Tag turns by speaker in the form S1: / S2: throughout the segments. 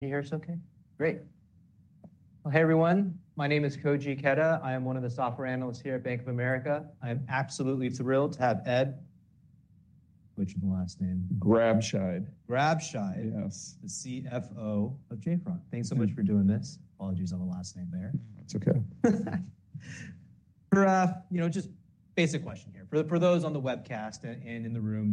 S1: Can you hear us okay? Great. Well, hey, everyone. My name is Koji Ikeda. I am one of the software analysts here at Bank of America. I am absolutely thrilled to have Ed. What's your last name?
S2: Grabscheid.
S1: Grabscheid?
S2: Yes.
S1: The CFO of JFrog.
S2: Yeah.
S1: Thanks so much for doing this. Apologies on the last name there.
S2: It's okay.
S1: You know just a basic question here. For those on the webcast and in the room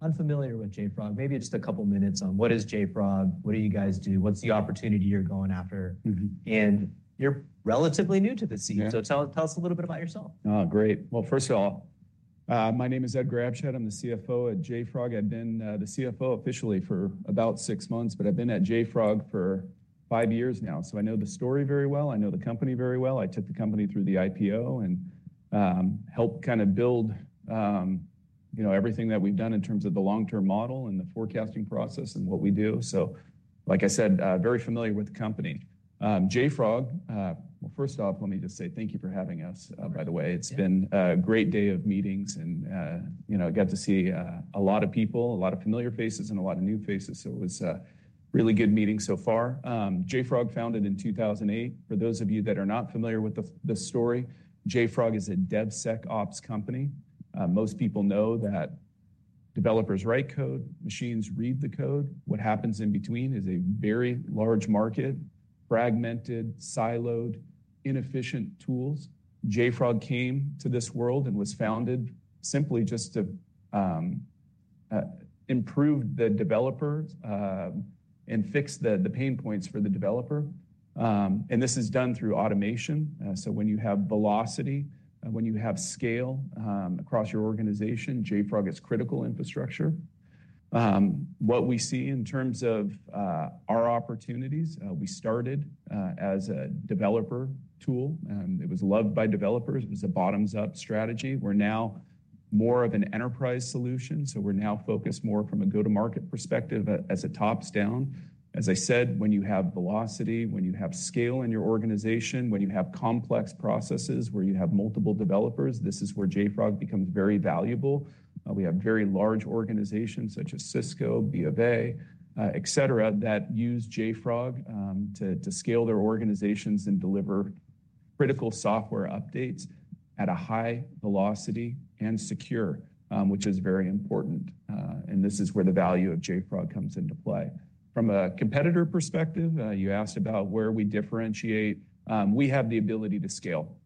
S1: that are unfamiliar with JFrog, maybe just a couple of minutes on what is JFrog, what do you guys do, what's the opportunity you're going after?
S2: Mm-hmm.
S1: You're relatively new to the scene.
S2: Yeah.
S1: So tell us a little bit about yourself?
S2: Oh, great. Well, first of all, my name is Ed Grabscheid. I'm the CFO at JFrog. I've been the CFO officially for about six months, but I've been at JFrog for five years now so I know the story very well. I know the company very well. I took the company through the IPO and helped kind of build, you know, everything that we've done in terms of the long-term model and the forecasting process and what we do. So, like I said, very familiar with the company. JFrog, well, first off, let me just say thank you for having us, by the way.
S1: Yeah.
S2: It's been a great day of meetings, and, you know, I got to see, a lot of people, a lot of familiar faces, and a lot of new faces, so it was a really good meeting so far. JFrog, founded in 2008. For those of you that are not familiar with the story, JFrog is a DevSecOps company. Most people know that developers write code, machines read the code. What happens in between is a very large market, fragmented, siloed, inefficient tools. JFrog came to this world and was founded simply just to improve the developer and fix the pain points for the developer. And this is done through automation. So when you have velocity, when you have scale, across your organization, JFrog is critical infrastructure. What we see in terms of our opportunities, we started as a developer tool, and it was loved by developers. It was a bottoms-up strategy. We're now more of an enterprise solution, so we're now focused more from a go-to-market perspective as a tops-down. As I said, when you have velocity, when you have scale in your organization, when you have complex processes, where you have multiple developers, this is where JFrog becomes very valuable. We have very large organizations such as Cisco, BofA, etc., that use JFrog to scale their organizations and deliver critical software updates at a high velocity and secure, which is very important, and this is where the value of JFrog comes into play. From a competitor perspective, you asked about where we differentiate. We have the ability to scale.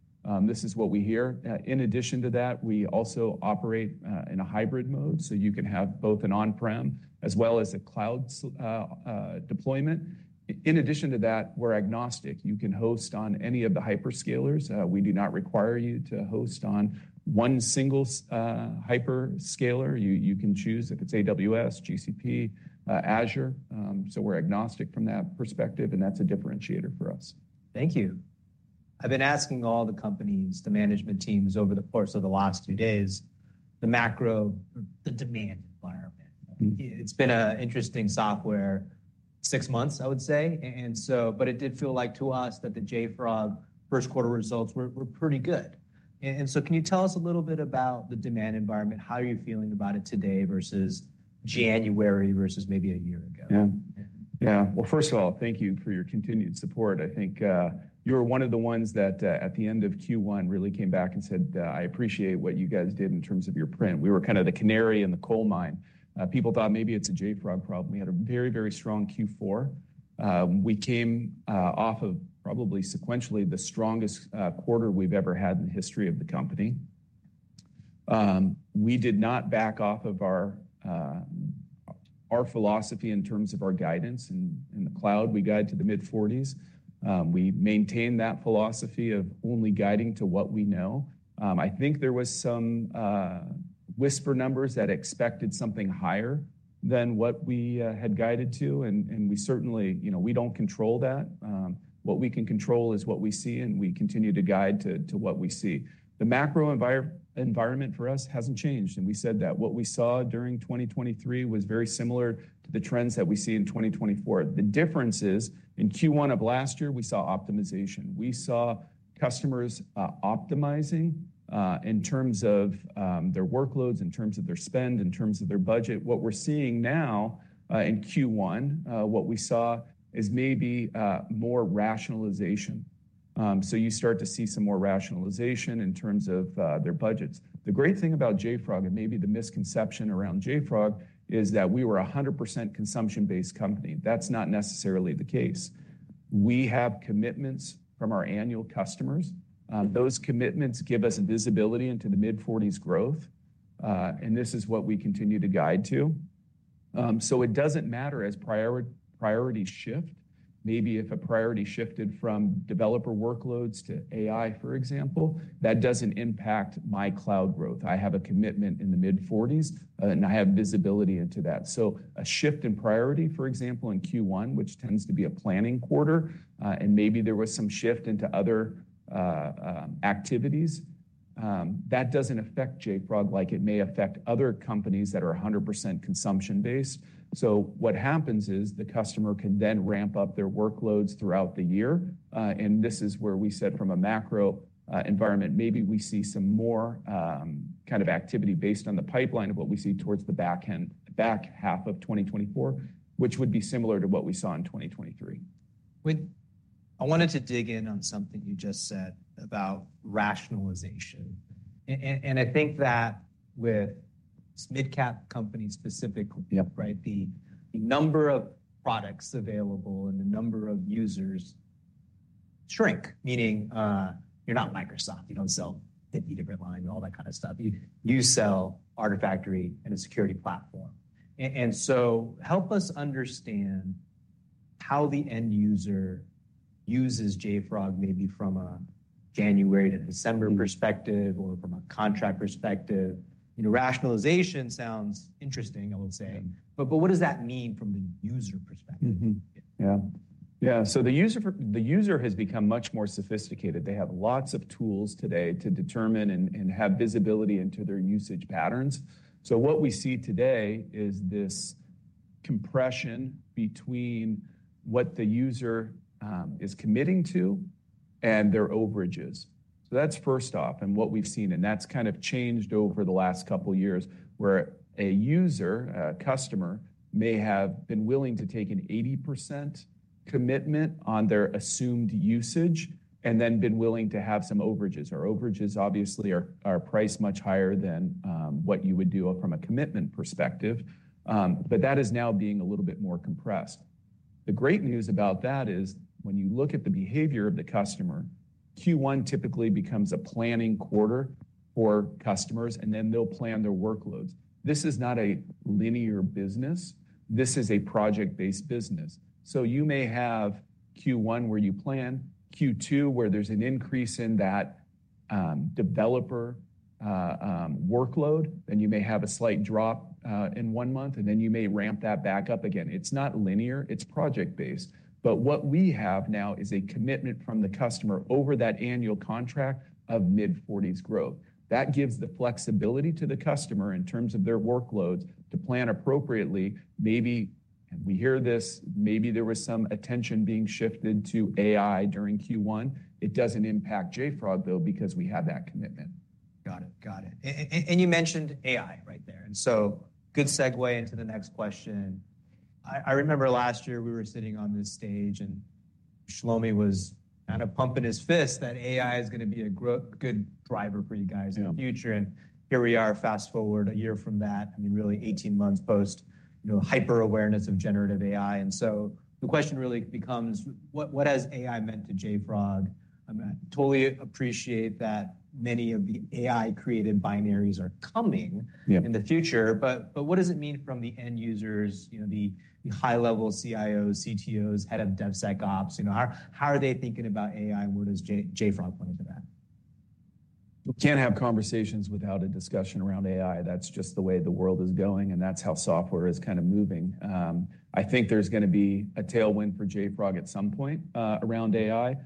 S2: This is what we hear. In addition to that, we also operate in a hybrid mode, so you can have both an on-prem as well as a cloud deployment. In addition to that, we're agnostic. You can host on any of the hyperscalers. We do not require you to host on one single hyperscaler. You can choose, if it's AWS, GCP, Azure. So we're agnostic from that perspective, and that's a differentiator for us.
S1: Thank you. I've been asking all the companies, the management teams, over the course of the last two days, the macro, the demand environment.
S2: Mm-hmm.
S1: It's been an interesting six months, I would say, but it did feel like to us that the JFrog first quarter results were pretty good. So can you tell us a little bit about the demand environment? How are you feeling about it today versus January, versus maybe a year ago?
S2: Yeah. Yeah. Well, first of all, thank you for your continued support. I think, you were one of the ones that, at the end of Q1, really came back and said, "I appreciate what you guys did in terms of your print." We were kind of the canary in the coal mine. People thought maybe it's a JFrog problem. We had a very, very strong Q4. We came, off of probably sequentially, the strongest, quarter we've ever had in the history of the company. We did not back off of our, our philosophy in terms of our guidance. In the cloud, we guide to the mid-forties. We maintain that philosophy of only guiding to what we know. I think there was some whisper numbers that expected something higher than what we had guided to, and we certainly - you know, we don't control that. What we can control is what we see, and we continue to guide to what we see. The macro environment for us hasn't changed, and we said that. What we saw during 2023 was very similar to the trends that we see in 2024. The difference is, in Q1 of last year, we saw optimization. We saw customers optimizing in terms of their workloads, in terms of their spend, in terms of their budget. What we're seeing now in Q1, what we saw is maybe more rationalization. So you start to see some more rationalization in terms of their budgets. The great thing about JFrog, and maybe the misconception around JFrog, is that we were 100% consumption-based company. That's not necessarily the case. We have commitments from our annual customers. Those commitments give us visibility into the mid-40s growth, and this is what we continue to guide to. So it doesn't matter as prior priorities shift. Maybe if a priority shifted from developer workloads to AI, for example, that doesn't impact my cloud growth. I have a commitment in the mid-40s, and I have visibility into that. So a shift in priority, for example, in Q1, which tends to be a planning quarter, and maybe there was some shift into other activities, that doesn't affect JFrog like it may affect other companies that are 100% consumption-based. So what happens is, the customer can then ramp up their workloads throughout the year, and this is where we said from a macro environment, maybe we see some more kind of activity based on the pipeline of what we see towards the back end, back half of 2024, which would be similar to what we saw in 2023.
S1: I wanted to dig in on something you just said about rationalization. And I think that with mid-cap companies specifically-
S2: Yep.
S1: Right? The number of products available and the number of users shrink, meaning you're not Microsoft. You don't sell 50 different lines and all that kind of stuff. You sell Artifactory and a security platform. And so help us understand how the end user uses JFrog, maybe from a January to December perspective or from a contract perspective. You know, rationalization sounds interesting, I would say.
S2: Yeah.
S1: But, what does that mean from the user perspective?
S2: Mm-hmm. Yeah. Yeah, so the user has become much more sophisticated. They have lots of tools today to determine and have visibility into their usage patterns. So what we see today is this compression between what the user is committing to and their overages. So that's first off, and what we've seen, and that's kind of changed over the last couple of years, where a user, a customer, may have been willing to take an 80% commitment on their assumed usage and then been willing to have some overages, or overages obviously are priced much higher than what you would do from a commitment perspective. But that is now being a little bit more compressed. The great news about that is when you look at the behavior of the customer, Q1 typically becomes a planning quarter for customers, and then they'll plan their workloads. This is not a linear business. This is a project-based business. So you may have Q1, where you plan, Q2, where there's an increase in that developer workload, then you may have a slight drop in one month, and then you may ramp that back up again. It's not linear, it's project-based. But what we have now is a commitment from the customer over that annual contract of mid-forties growth. That gives the flexibility to the customer in terms of their workloads to plan appropriately. Maybe, and we hear this, maybe there was some attention being shifted to AI during Q1. It doesn't impact JFrog, though, because we have that commitment.
S1: Got it. Got it. And you mentioned AI right there, and so good segue into the next question. I remember last year we were sitting on this stage, and Shlomi was kind of pumping his fist, that AI is gonna be a good driver for you guys in the future.
S2: Yeah.
S1: And here we are, fast-forward a year from that, I mean, really eighteen months post, you know, hyper-awareness of generative AI. And so the question really becomes: what, what has AI meant to JFrog? I totally appreciate that many of the AI-created binaries are coming-
S2: Yeah
S1: In the future, but what does it mean from the end users, you know, the high-level CIOs, CTOs, Head of DevSecOps? You know, how are they thinking about AI, and where does JFrog play into that?
S2: You can't have conversations without a discussion around AI. That's just the way the world is going, and that's how software is kind of moving. I think there's gonna be a tailwind for JFrog at some point around AI.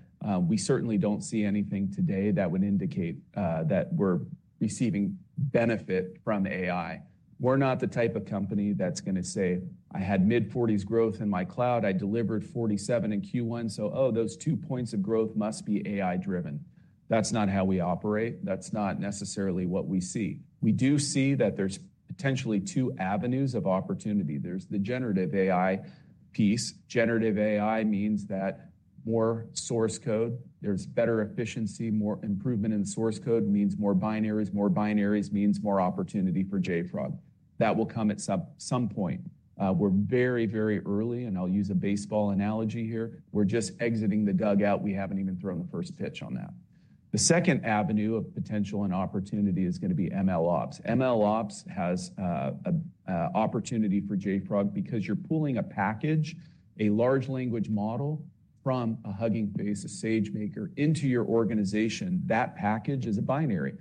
S2: We certainly don't see anything today that would indicate that we're receiving benefit from AI. We're not the type of company that's gonna say, "I had mid-40s growth in my cloud. I delivered 47 in Q1, so, oh, those 2 points of growth must be AI-driven." That's not how we operate. That's not necessarily what we see. We do see that there's potentially 2 avenues of opportunity. There's the Generative AI piece. Generative AI means that more source code, there's better efficiency, more improvement in source code, means more binaries, more binaries means more opportunity for JFrog. That will come at some point. We're very, very early, and I'll use a baseball analogy here. We're just exiting the dugout. We haven't even thrown the first pitch on that. The second avenue of potential and opportunity is gonna be MLOps. MLOps has a opportunity for JFrog because you're pulling a package, a large language model, from a Hugging Face, a SageMaker, into your organization. That package is a binary.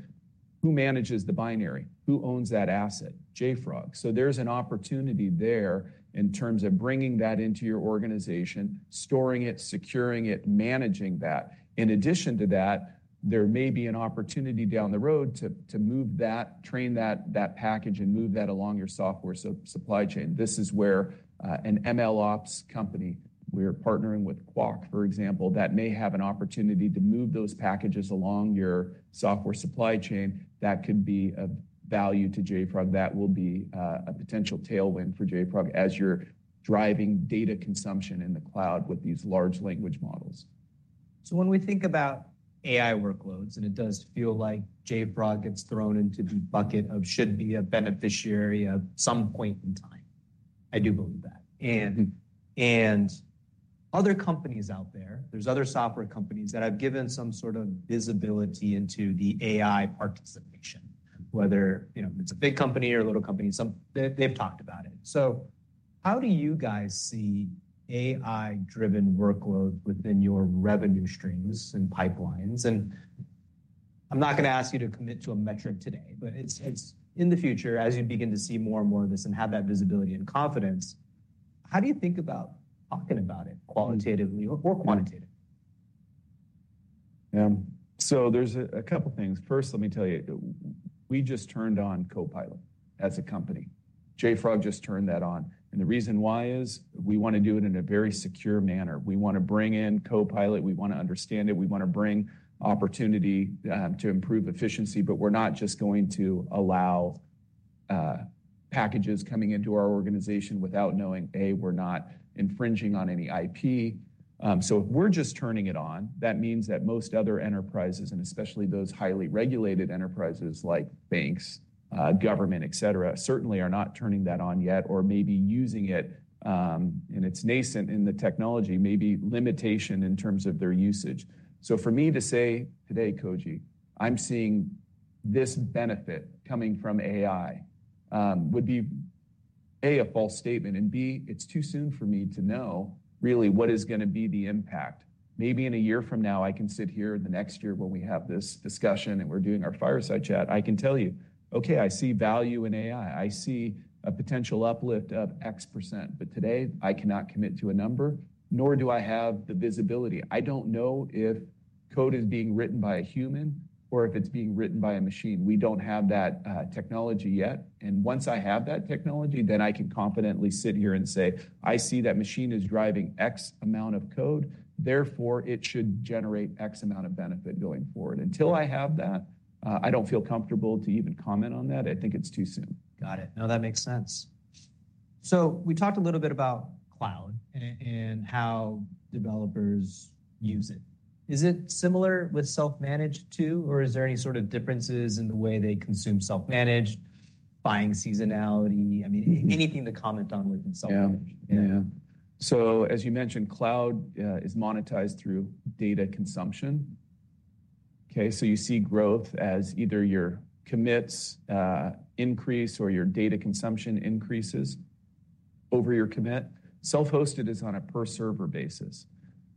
S2: Who manages the binary? Who owns that asset? JFrog. So there's an opportunity there in terms of bringing that into your organization, storing it, securing it, managing that. In addition to that, there may be an opportunity down the road to move that, train that package, and move that along your software supply chain. This is where an MLOps company, we're partnering with Qwak, for example, that may have an opportunity to move those packages along your software supply chain, that could be of value to JFrog. That will be a potential tailwind for JFrog as you're driving data consumption in the cloud with these large language models.
S1: When we think about AI workloads, and it does feel like JFrog gets thrown into the bucket of should be a beneficiary at some point in time, I do believe that.
S2: Mm-hmm.
S1: And other companies out there, there's other software companies that have given some sort of visibility into the AI participation. Whether, you know, it's a big company or a little company, some. They, they've talked about it. So how do you guys see AI-driven workloads within your revenue streams and pipelines? And I'm not gonna ask you to commit to a metric today, but it's, it's in the future, as you begin to see more and more of this and have that visibility and confidence, how do you think about talking about it qualitatively or quantitatively?
S2: So there's a couple of things. First, let me tell you, we just turned on Copilot as a company. JFrog just turned that on, and the reason why is we want to do it in a very secure manner. We want to bring in Copilot, we want to understand it, we want to bring opportunity to improve efficiency, but we're not just going to allow packages coming into our organization without knowing, we're not infringing on any IP. So if we're just turning it on, that means that most other enterprises, and especially those highly regulated enterprises like banks, government, et cetera, certainly are not turning that on yet, or maybe using it in its nascent in the technology, maybe limitation in terms of their usage. So for me to say today, Koji, "I'm seeing this benefit coming from AI," would be, A, a false statement, and B, it's too soon for me to know really what is gonna be the impact. Maybe in a year from now, I can sit here the next year when we have this discussion and we're doing our fireside chat, I can tell you, "Okay, I see value in AI. I see a potential uplift of X%." But today, I cannot commit to a number, nor do I have the visibility. I don't know if code is being written by a human or if it's being written by a machine. We don't have that technology yet, and once I have that technology then I can confidently sit here and say, "I see that machine is driving X amount of code, therefore, it should generate X amount of benefit going forward." Until I have that, I don't feel comfortable to even comment on that. I think it's too soon.
S1: Got it. No, that makes sense. So we talked a little bit about cloud and how developers use it. Is it similar with self-managed, too, or is there any sort of differences in the way they consume self-managed, buying seasonality? I mean anything to comment on with self-managed?
S2: Yeah. Yeah. So as you mentioned, cloud is monetized through data consumption. Okay, so you see growth as either your commits increase or your data consumption increases over your commit. Self-hosted is on a per-server basis.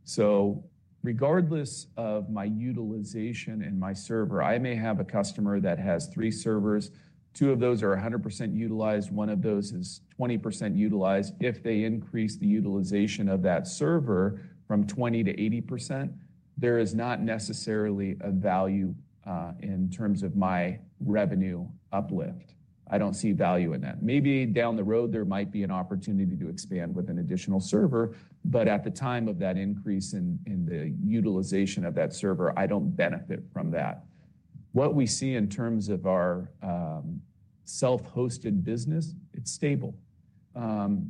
S2: So regardless of my utilization and my server, I may have a customer that has three servers. Two of those are 100% utilized, one of those is 20% utilized. If they increase the utilization of that server from 20%-80%, there is not necessarily a value in terms of my revenue uplift. I don't see value in that. Maybe down the road, there might be an opportunity to expand with an additional server, but at the time of that increase in the utilization of that server, I don't benefit from that. What we see in terms of our Self-Hosted business, it's stable.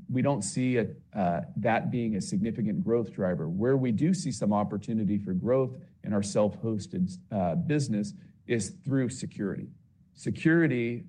S2: We don't see it that being a significant growth driver. Where we do see some opportunity for growth in our Self-Hosted business is through Security. Security,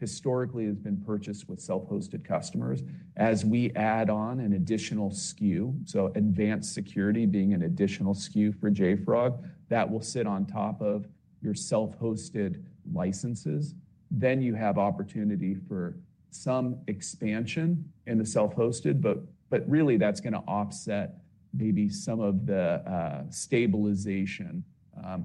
S2: historically, has been purchased with Self-Hosted customers. As we add on an additional SKU, so advanced security being an additional SKU for JFrog, that will sit on top of your self-hosted licenses, then you have opportunity for some expansion in the Self-Hosted, but really, that's gonna offset maybe some of the stabilization,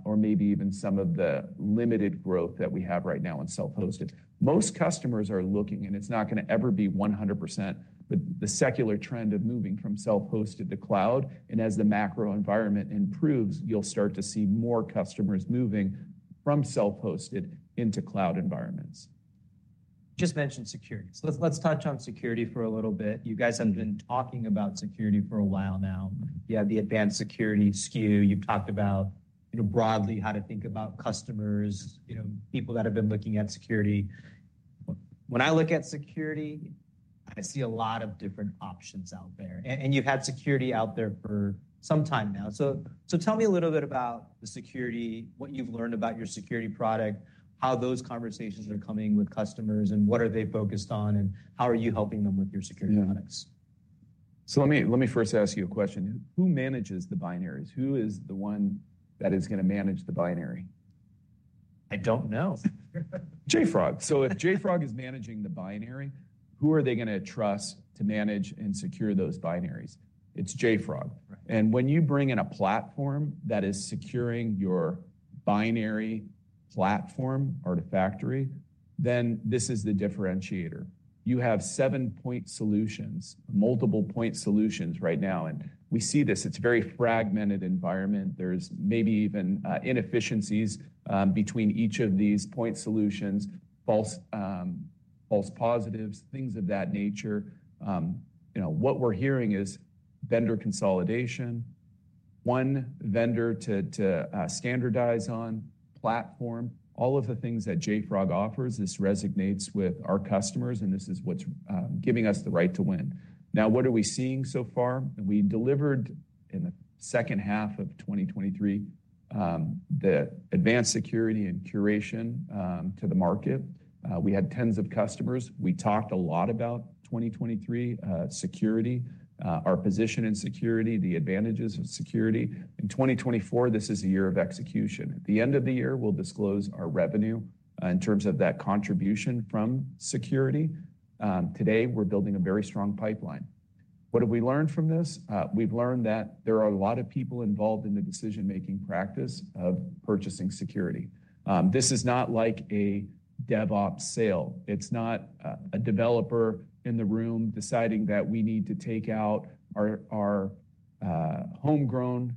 S2: or maybe even some of the limited growth that we have right now in Self-Hosted. Most customers are looking, and it's not gonna ever be 100%, but the secular trend of moving from self-hosted to cloud, and as the macro environment improves, you'll start to see more customers moving from Self-Hosted into Cloud environments.
S1: Just mentioned Security. So let's, let's touch on Security for a little bit. You guys have been talking about Security for a while now. You have the Advanced Security SKU. You've talked about, you know, broadly how to think about customers, you know, people that have been looking at security. When I look at security, I see a lot of different options out there, and you've had Security out there for some time now. So tell me a little bit about the Security, what you've learned about your Security product, how those conversations are coming with customers, and what are they focused on, and how are you helping them with your Security products?
S2: Yeah. So let me, let me first ask you a question. Who manages the binaries? Who is the one that is gonna manage the binary?
S1: I don't know.
S2: JFrog. So if JFrog is managing the binary, who are they gonna trust to manage and secure those binaries? It's JFrog.
S1: Right.
S2: When you bring in a platform that is securing your binary platform, Artifactory, then this is the differentiator. You have seven-point solutions, multiple-point solutions right now, and we see this. It's a very fragmented environment. There's maybe even inefficiencies between each of these point solutions, false positives, things of that nature. You know, what we're hearing is vendor consolidation, one vendor to standardize on, platform, all of the things that JFrog offers, this resonates with our customers, and this is what's giving us the right to win. Now, what are we seeing so far? We delivered in the second half of 2023 the Advanced Security and Curation to the market. We had tens of customers. We talked a lot about 2023 security, our position in security, the advantages of security. In 2024, this is a year of execution. At the end of the year, we'll disclose our revenue in terms of that contribution from Security. Today, we're building a very strong pipeline. What have we learned from this? We've learned that there are a lot of people involved in the decision-making practice of purchasing security. This is not like a DevOps sale. It's not a developer in the room deciding that we need to take out our homegrown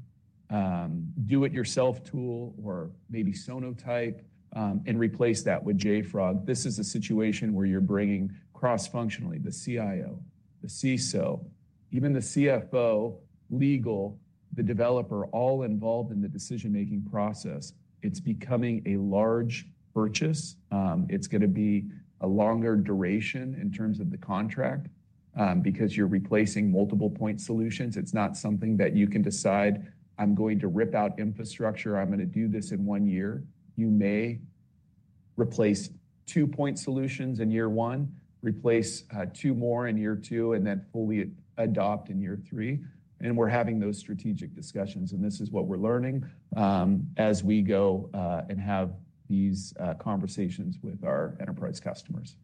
S2: do-it-yourself tool or maybe Sonatype and replace that with JFrog. This is a situation where you're bringing cross-functionally the CIO, the CISO, even the CFO, legal, the developer, all involved in the decision-making process. It's becoming a large purchase. It's gonna be a longer duration in terms of the contract because you're replacing multiple point solutions. It's not something that you can decide, "I'm going to rip out infrastructure. I'm gonna do this in one year." You may replace point solutions in year one, replace two more in year two, and then fully adopt in year three, and we're having those strategic discussions, and this is what we're learning, as we go, and have these conversations with our enterprise customers.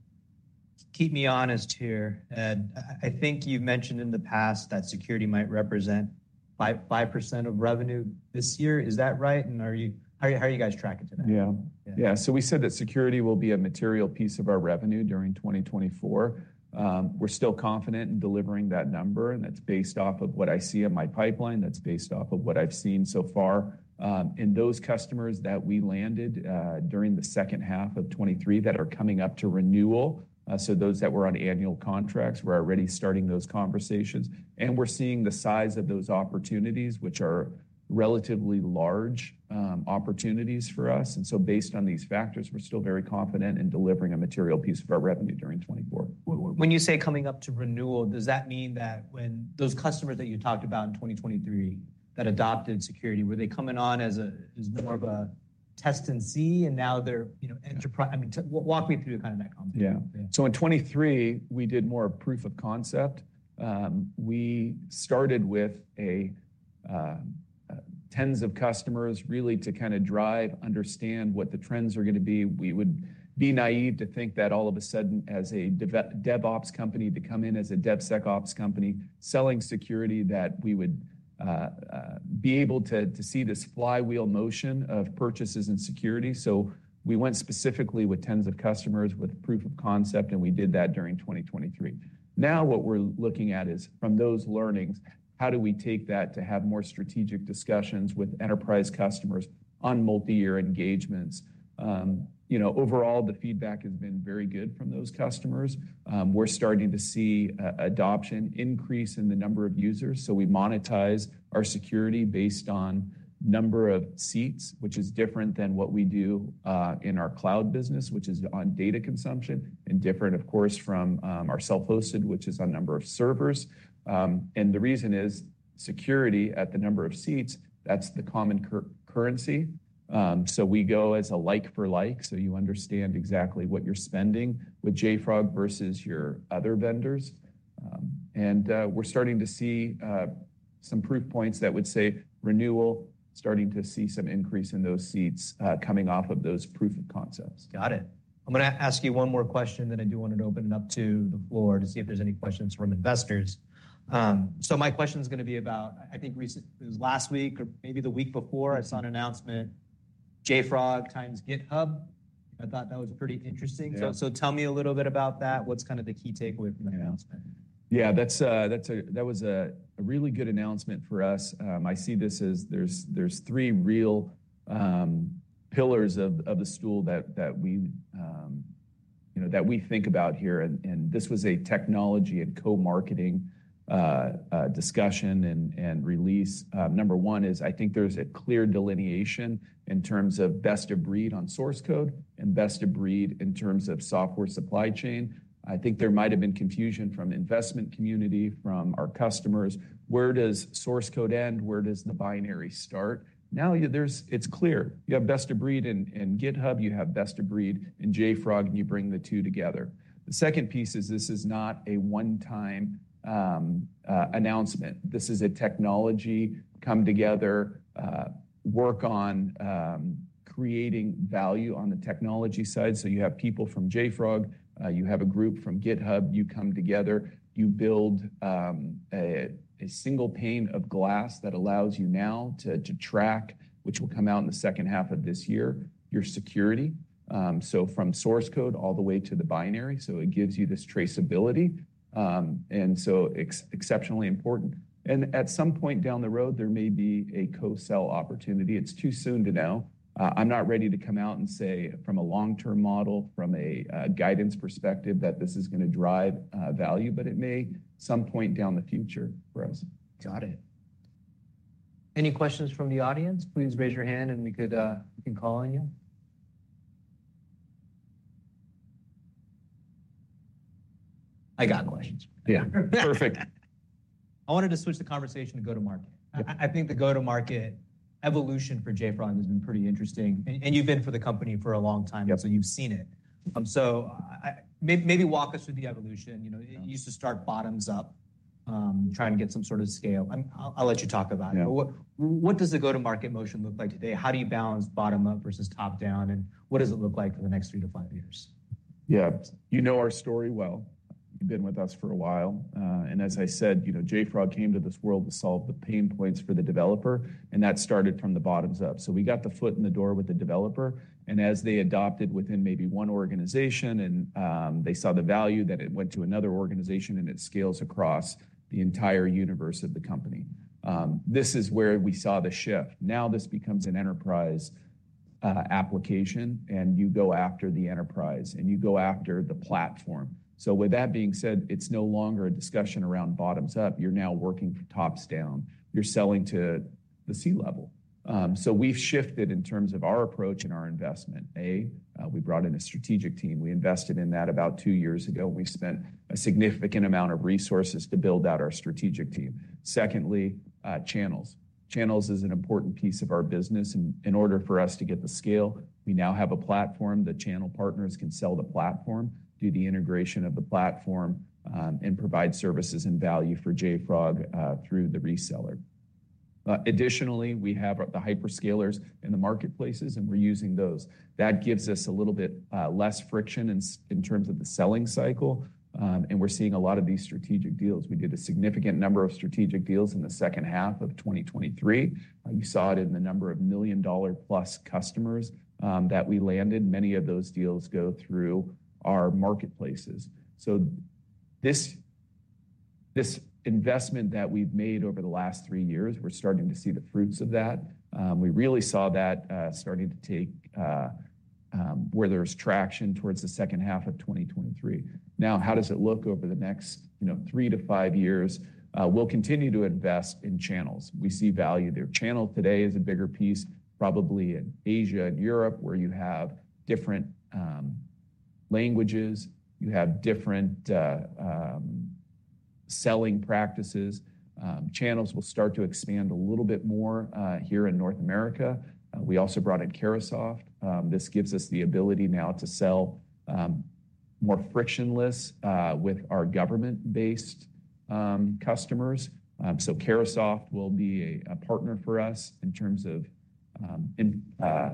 S1: Keep me honest here, Ed. I think you've mentioned in the past that Security might represent 5% of revenue this year. Is that right? And how are you guys tracking today?
S2: Yeah.
S1: Yeah.
S2: Yeah, so we said that Security will be a material piece of our revenue during 2024. We're still confident in delivering that number, and that's based off of what I see in my pipeline, that's based off of what I've seen so far. And those customers that we landed during the second half of 2023 that are coming up to renewal, so those that were on annual contracts, we're already starting those conversations, and we're seeing the size of those opportunities, which are relatively large opportunities for us. And so based on these factors, we're still very confident in delivering a material piece of our revenue during 2024.
S1: When you say coming up to renewal, does that mean that when those customers that you talked about in 2023 that adopted Security, were they coming on as a, as more of a test and see, and now they're, you know, enterprise-
S2: Yeah.
S1: I mean, walk me through kind of that conversation.
S2: Yeah. So in 2023, we did more proof of concept. We started with tens of customers, really to kinda drive, understand what the trends are gonna be. We would be naive to think that all of a sudden, as a DevOps company, to come in as a DevSecOps company, selling security, that we would be able to see this flywheel motion of purchases and security. So we went specifically with tens of customers with proof of concept, and we did that during 2023. Now what we're looking at is, from those learnings, how do we take that to have more strategic discussions with enterprise customers on multi-year engagements? You know, overall, the feedback has been very good from those customers. We're starting to see adoption increase in the number of users, so we monetize our security based on number of seats, which is different than what we do in our cloud business, which is on data consumption, and different, of course, from our self-hosted, which is on number of servers. And the reason is security at the number of seats, that's the common currency. So we go as a like for like, so you understand exactly what you're spending with JFrog versus your other vendors. And we're starting to see some proof points that would say renewal, starting to see some increase in those seats coming off of those proof of concepts.
S1: Got it. I'm gonna ask you one more question, then I do want to open it up to the floor to see if there's any questions from investors. So my question is gonna be about, I think, recent - it was last week or maybe the week before I saw an announcement, JFrog times GitHub. I thought that was pretty interesting.
S2: Yeah.
S1: So, tell me a little bit about that. What's kind of the key takeaway from the announcement?
S2: Yeah, that's a really good announcement for us. I see this as there's three real pillars of the stool that we you know that we think about here, and this was a technology and co-marketing discussion and release. Number one is, I think there's a clear delineation in terms of best of breed on source code and best of breed in terms of software supply chain. I think there might have been confusion from investment community, from our customers. Where does source code end? Where does the binary start? Now, it's clear. You have best of breed in GitHub, you have best of breed in JFrog, and you bring the two together. The second piece is this is not a one-time announcement. This is a technology come together, work on, creating value on the technology side. So you have people from JFrog, you have a group from GitHub, you come together, you build, a single pane of glass that allows you now to track, which will come out in the second half of this year, your security. So from source code all the way to the binary, so it gives you this traceability, and so exceptionally important. At some point down the road, there may be a co-sell opportunity. It's too soon to know. I'm not ready to come out and say from a long-term model, from a guidance perspective, that this is gonna drive, value, but it may, some point down the future, for us.
S1: Got it. Any questions from the audience? Please raise your hand and we could, we can call on you. I got questions.
S2: Yeah. Perfect.
S1: I wanted to switch the conversation to go-to-market.
S2: Yeah.
S1: I think the go-to-market evolution for JFrog has been pretty interesting, and you've been with the company for a long time-
S2: Yep
S1: So you've seen it. So, maybe walk us through the evolution. You know you used to start bottoms-up, trying to get some sort of scale. I'll let you talk about it.
S2: Yeah.
S1: What, what does the go-to-market motion look like today? How do you balance bottom up versus top down, and what does it look like for the next three to five years?
S2: Yeah. You know our story well. You've been with us for a while, and as I said, you know, JFrog came to this world to solve the pain points for the developer, and that started from the bottoms-up. So we got the foot in the door with the developer, and as they adopted within maybe one organization and, they saw the value, then it went to another organization, and it scales across the entire universe of the company. This is where we saw the shift. Now this becomes an enterprise application, and you go after the enterprise, and you go after the platform. So with that being said, it's no longer a discussion around bottoms up. You're now working for tops down. You're selling to the C-level. So we've shifted in terms of our approach and our investment. We brought in a strategic team. We invested in that about two years ago, and we spent a significant amount of resources to build out our strategic team. Secondly, Channels. Channels is an important piece of our business, and in order for us to get the scale, we now have a platform that channel partners can sell the platform, do the integration of the platform, and provide services and value for JFrog, through the reseller. Additionally, we have the hyperscalers in the marketplaces, and we're using those. That gives us a little bit, less friction in terms of the selling cycle, and we're seeing a lot of these strategic deals. We did a significant number of strategic deals in the second half of 2023. You saw it in the number of million-dollar-plus customers, that we landed. Many of those deals go through our marketplaces. So this investment that we've made over the last three years, we're starting to see the fruits of that. We really saw that starting to take where there's traction towards the second half of 2023. Now, how does it look over the next, you know, three to five years? We'll continue to invest in Channels. We see value there. Channel today is a bigger piece, probably in Asia and Europe, where you have different languages, you have different selling practices. Channels will start to expand a little bit more here in North America. We also brought in Carahsoft. This gives us the ability now to sell more frictionless with our government-based customers. So Carahsoft will be a partner for us in terms of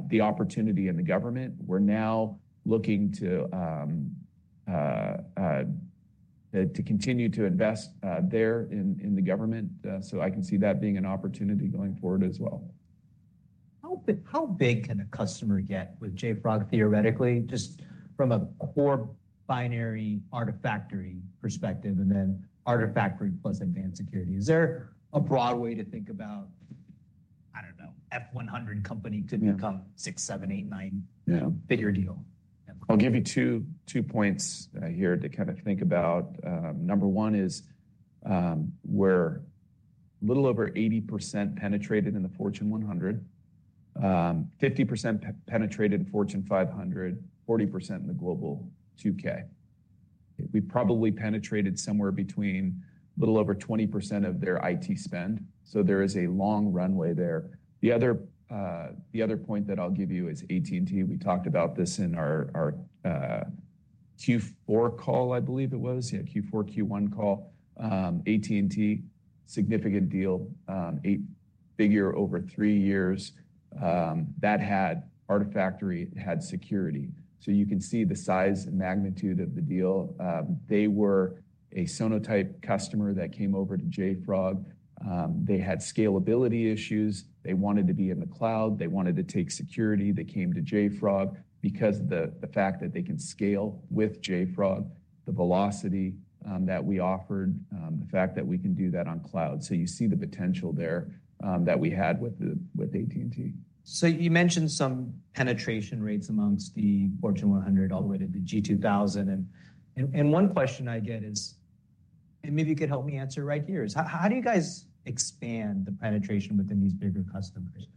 S2: the opportunity in the government. We're now looking to continue to invest there, in the government. So I can see that being an opportunity going forward as well.
S1: How big, how big can a customer get with JFrog, theoretically, just from a core binary Artifactory perspective, and then Artifactory plus Advanced Security? Is there a broad way to think about, I don't know, Fortune 100 company to become six, seven, eight, nine bigger deal?
S2: I'll give you two points here to kind of think about. Number one is, we're a little over 80% penetrated in the Fortune 100, 50% penetrated in Fortune 500, 40% in the Global 2000. We probably penetrated somewhere between a little over 20% of their IT spend, so there is a long runway there. The other point that I'll give you is AT&T. We talked about this in our Q4 call, I believe it was. Yeah, Q4, Q1 call. AT&T, significant deal, eight-figure over three years, that had Artifactory, it had Security. So you can see the size and magnitude of the deal. They were a Sonatype customer that came over to JFrog. They had scalability issues. They wanted to be in the cloud. They wanted to take security. They came to JFrog because the fact that they can scale with JFrog, the velocity that we offered, the fact that we can do that on cloud. So you see the potential there, that we had with AT&T.
S1: So you mentioned some penetration rates among the Fortune 100 all the way to the G2000, and one question I get is, and maybe you could help me answer right here, is how do you guys expand the penetration within these bigger customers?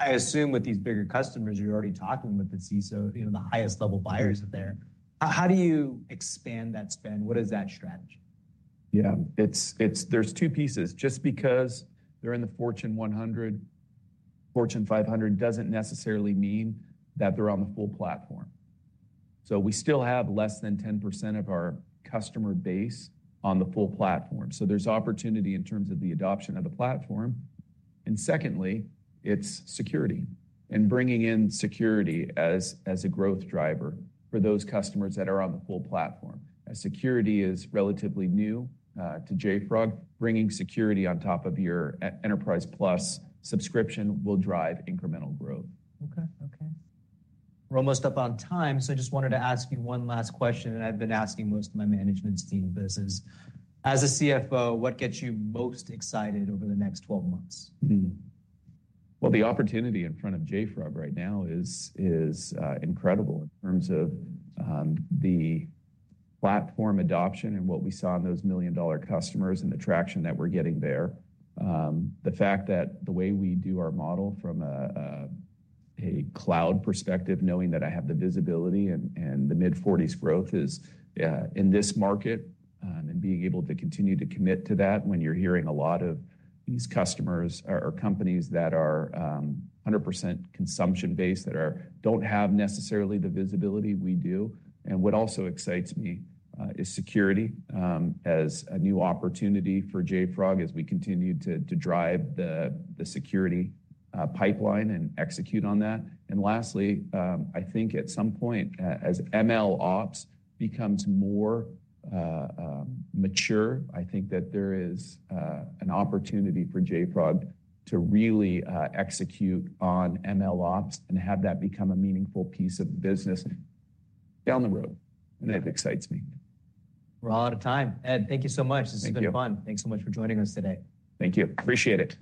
S1: I assume with these bigger customers, you're already talking with the CISO, you know, the highest level buyers there. How do you expand that spend? What is that strategy?
S2: Yeah. It's—there's two pieces. Just because they're in the Fortune 100, Fortune 500, doesn't necessarily mean that they're on the full platform. So we still have less than 10% of our customer base on the full platform, so there's opportunity in terms of the adoption of the platform. And secondly, it's Security and bringing in Security as a growth driver for those customers that are on the full platform. As Security is relatively new to JFrog, bringing Security on top of your Enterprise Plus subscription will drive incremental growth.
S1: Okay. Okay. We're almost up on time, so I just wanted to ask you one last question that I've been asking most of my management team, but this is: as a CFO, what gets you most excited over the next 12 months?
S2: Well, the opportunity in front of JFrog right now is incredible in terms of the platform adoption and what we saw in those million-dollar customers and the traction that we're getting there. The fact that the way we do our model from a cloud perspective, knowing that I have the visibility and the mid-40s growth is in this market, and being able to continue to commit to that when you're hearing a lot of these customers or companies that are 100% consumption-based, that don't have necessarily the visibility we do. What also excites me is Security as a new opportunity for JFrog, as we continue to drive the security pipeline and execute on that. And lastly, I think at some point, as MLOps becomes more mature, I think that there is an opportunity for JFrog to really execute on MLOps and have that become a meaningful piece of business down the road, and that excites me.
S1: We're all out of time. Ed, thank you so much.
S2: Thank you.
S1: This has been fun. Thanks so much for joining us today.
S2: Thank you. Appreciate it.